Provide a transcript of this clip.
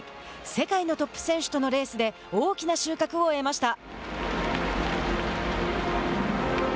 世界のトップ選手とのレースで大きな収穫を得ました。